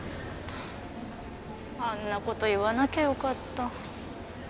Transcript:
あんな事言わなきゃよかった。